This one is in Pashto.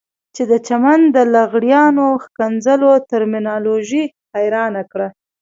چې د چمن د لغړیانو ښکنځلو ترمینالوژي حيرانه کړه.